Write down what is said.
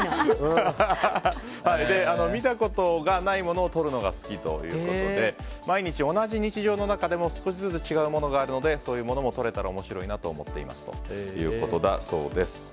見たことがないものを撮るのが好きということで毎日同じ日常の中でも少しずつ違うものがあるのでそういうものも撮れたら面白いなと思っていますということだそうです。